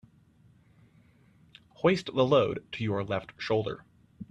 Hoist the load to your left shoulder.